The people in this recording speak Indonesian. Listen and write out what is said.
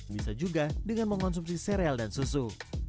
bisa juga dengan mengonsumsi sereal dan susu